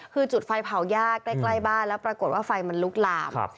คือจุดไฟเผายากใกล้บ้านแล้วปรากฏว่าไฟมันลุกลาม